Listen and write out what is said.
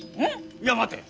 いや待て。